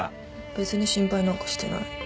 別に心配なんかしてない。